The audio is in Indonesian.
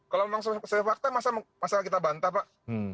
kalau memang sesuai fakta masalah kita bantah pak